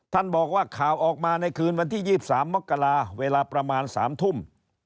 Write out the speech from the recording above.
ท่านบอกว่าข่าวออกมาในคืนวันที่๒๓มกราเวลาประมาณ๓ทุ่ม